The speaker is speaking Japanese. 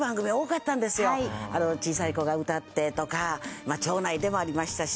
小さい子が歌ってとか町内でもありましたし。